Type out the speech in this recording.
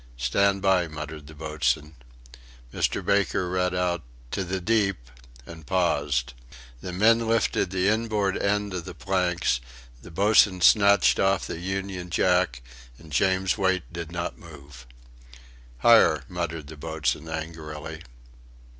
"Stand by," muttered the boatswain. Mr. Baker read out: "To the deep," and paused. The men lifted the inboard end of the planks, the boatswain snatched off the Union Jack, and James Wait did not move. "Higher," muttered the boatswain angrily.